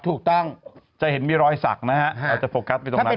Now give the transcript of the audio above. ถูกต้องจะเห็นมีรอยสักนะฮะเราจะโฟกัสไปตรงนั้น